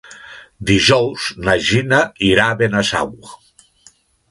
Dijous na Gina irà a Benasau.